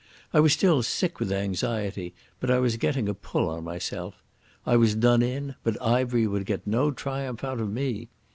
I was still sick with anxiety, but I was getting a pull on myself. I was done in, but Ivery would get no triumph out of me.